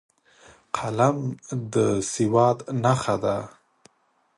قلم د سواد نښه ده